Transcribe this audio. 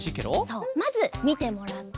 そうまずみてもらって。